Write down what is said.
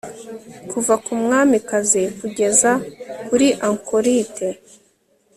Kuva ku mwamikazi kugeza kuri ankorite